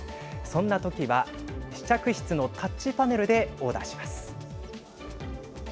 そんなときは試着室のタッチパネルでオーダーします。